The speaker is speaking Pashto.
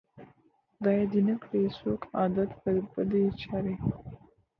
خدای دي نه کړي څوک عادت په بدي چاري